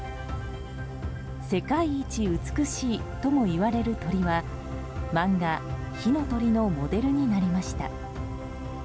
世界一美しいともいわれる鳥は漫画「火の鳥」のモデルになりました。